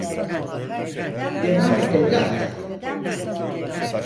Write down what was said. Devam et, evlat.